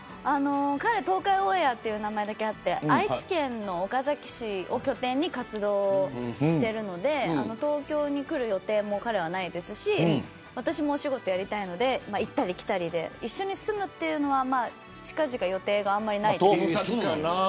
彼は東海オンエアという名前だけあって愛知県岡崎市を拠点に活動をしているので東京に来る予定も彼はないですし私もお仕事やりたいので行ったり来たりで一緒に住むということは近々予定があんまりないです。